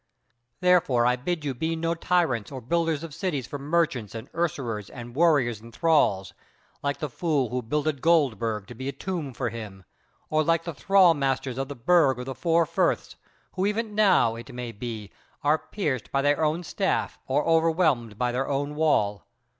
Therefore I bid you be no tyrants or builders of cities for merchants and usurers and warriors and thralls, like the fool who builded Goldburg to be for a tomb to him: or like the thrall masters of the Burg of the Four Friths, who even now, it may be, are pierced by their own staff or overwhelmed by their own wall.